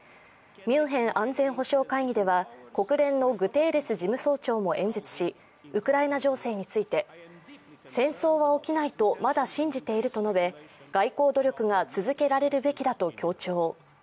ミュンヘン安全保障会議では国連のグテーレス事務総長も演説しウクライナ情勢について戦争は起きないとまだ信じていると述べ外交努力が続けられるべきだと強調。